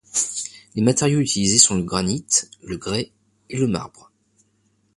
Les matériaux utilisés sont le granit, le grès et le marbre.